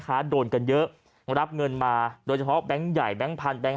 โดนกันเยอะรับเงินมาโดยเฉพาะแบงค์ใหญ่แบงค์พันธแก๊ง